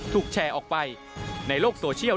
ถูกแชร์ออกไปในโลกโซเชียล